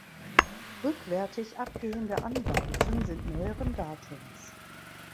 Rückwärtig abgehende Anbauten sind neueren Datums.